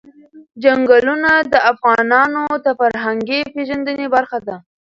چنګلونه د افغانانو د فرهنګي پیژندنې برخه ده.